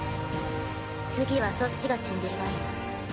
次はそっちが信じる番や。